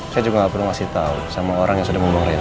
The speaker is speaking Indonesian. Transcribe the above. saya juga gak perlu ngasih tahu sama orang yang sudah membunuh reina